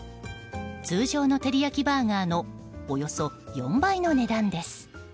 通常のテリヤキバーガーのおよそ４倍の値段です。